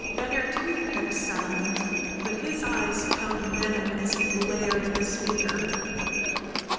Venner, too, kept silent; but his eyes held venom as he glared at the speaker.